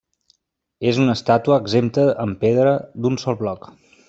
És una estàtua exempta en pedra d'un sol bloc.